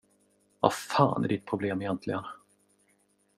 Vad fan är ditt problem egentligen?